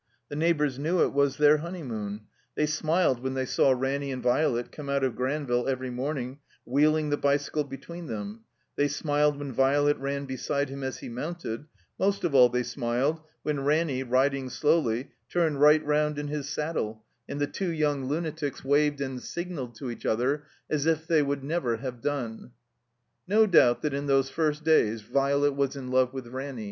The neighbors knew it was their honejmaoon. They smiled when they saw Ranny and Violet come out of Granville every morning wheeling the bicycle between them; they smiled when Violet ran beside him as he movinted; most of all they smiled when Ranny, riding slowly, turned right round in his saddle and the two yotmg lunatics U3 THE COMBINED MAZE waved and signaled to each other as if they would '^ done. ibt that in those first days Violet was in lovw / Ranny.